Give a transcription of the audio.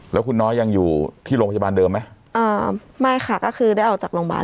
แล้วคุณน้อยยังอยู่ที่โรงพยาบาลเดิมไหมอ่าไม่ค่ะก็คือได้ออกจากโรงพยาบาล